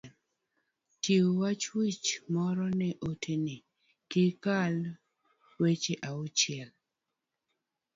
chiw wach wich moro ne ote ni, kik kal weche auchiel